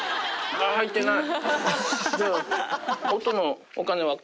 あっ入ってない。